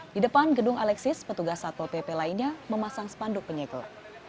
di depan gedung alexis petugas satpol pp lainnya memasang spanduk penyegel